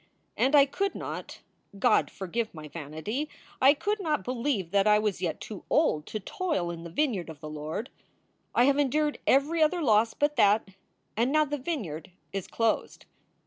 And I could not God forgive my vanity I could not believe that I was yet too old to toil in the vineyard of the Lord. I have endured every other loss but that, and now the vineyard is closed.